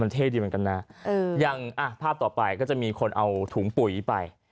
เท่ดีเหมือนกันนะอย่างภาพต่อไปก็จะมีคนเอาถุงปุ๋ยไป